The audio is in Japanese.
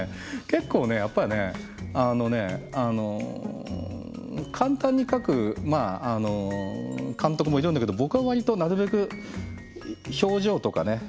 結構ねやっぱりねあのね簡単に描く監督もいるんだけど僕は割となるべく表情とかね